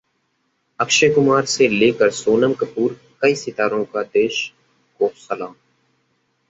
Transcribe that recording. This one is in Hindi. अक्षय कुमार से लेकर सोनम कपूर कई सितारों का देश को सलाम